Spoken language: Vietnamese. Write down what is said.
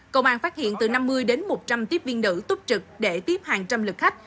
công an phát hiện từ năm mươi đến một trăm linh tiếp viên nữ túc trực để tiếp hàng trăm lực khách